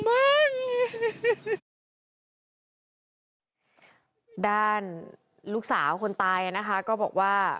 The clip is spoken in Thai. ด้านลูกสาวคนตายนะคะก็บอกว่า